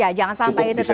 ya jangan sampai itu terjadi